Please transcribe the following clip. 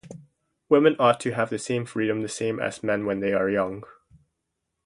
Women ought to have the freedom the same as men when they are young.